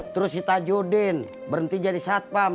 terus si tajudin berhenti jadi satpam